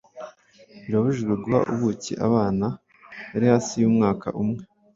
birabujijwe guha ubuki abana bari hasi y’umwaka umwe